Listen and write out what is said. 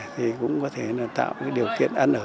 thì cũng có thể tạo điều kiện ăn